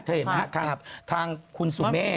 เห็นไหมครับทางคุณสุเมฆ